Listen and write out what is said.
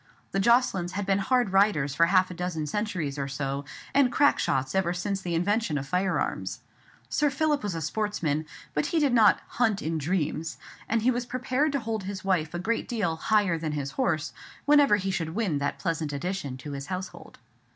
The Jocelyns had been hard riders for half a dozen centuries or so, and crack shots ever since the invention of firearms. Sir Philip was a sportsman, but he did not "hunt in dreams," and he was prepared to hold his wife a great deal "higher than his horse," whenever he should win that pleasant addition to his household.